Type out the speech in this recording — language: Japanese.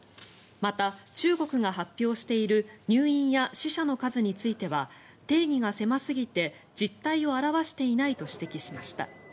また、中国が発表している入院や死者の数については定義が狭すぎて実態を表していないと指摘しました。